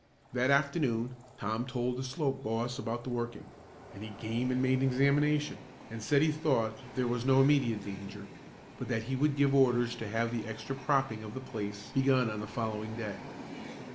That afternoon Tom told the slope boss about the working, and he came and made an examination, and said he thought there was no immediate danger, but that he would give orders to have the extra propping of the place begun on the following day.